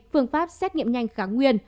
phương pháp xét nghiệm nhanh kháng nguyên